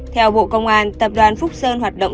theo bộ công an tập đoàn phúc sơn hoạt động